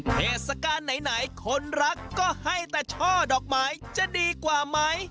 เทศกาลไหนคนรักก็ให้แต่ช่อดอกไม้จะดีกว่าไหม